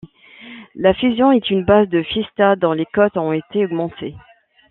La Fusion est une base de Fiesta dont les cotes ont été augmentées.